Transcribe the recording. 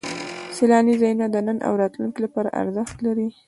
سیلاني ځایونه د نن او راتلونکي لپاره ارزښت لري.